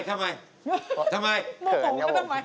เขินครับผม